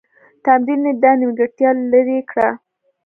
تمرین یې دا نیمګړتیا لیري کړه.